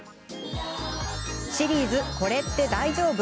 シリーズ「これって大丈夫？」。